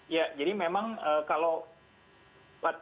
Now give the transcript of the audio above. iya jadi memang kalau